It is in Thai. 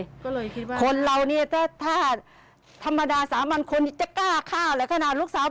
ก็เลยคิดว่าคนเราเนี่ยถ้าถ้าธรรมดาสามัญคนจะกล้าฆ่าอะไรขนาดลูกสาว